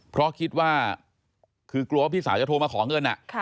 เพราะคิดว่าคือกลัวว่าพี่สาวจะโทรมาขอเงิน